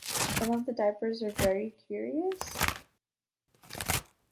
Some of the diapers are very curious.